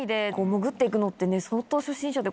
潜って行くのって相当。